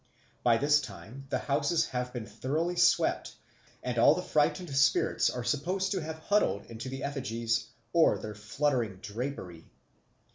By this time the houses have been thoroughly swept, and all the frightened spirits are supposed to have huddled into the effigies or their fluttering drapery.